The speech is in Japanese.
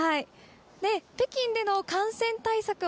北京での感染対策